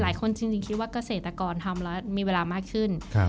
จริงคิดว่าเกษตรกรทำแล้วมีเวลามากขึ้น